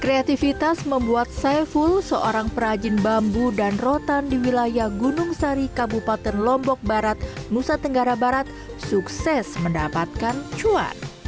kreativitas membuat saiful seorang perajin bambu dan rotan di wilayah gunung sari kabupaten lombok barat nusa tenggara barat sukses mendapatkan cuan